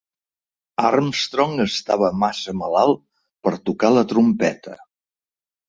Amstrong estava massa malalt per tocar la trompeta.